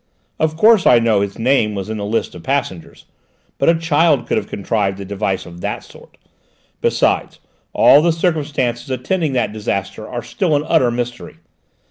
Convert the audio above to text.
Of course, I know his name was in the list of passengers, but a child could have contrived a device of that sort. Besides, all the circumstances attending that disaster are still an utter mystery.